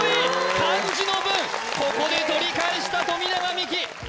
漢字の分ここで取り返した富永美樹